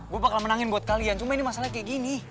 gue bakal menangin buat kalian cuma ini masalahnya kayak gini